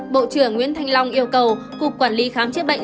bộ trưởng nguyễn thành long yêu cầu cục quản lý khám chức bệnh